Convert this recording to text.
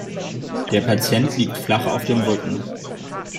Der Patient liegt flach auf dem Rücken.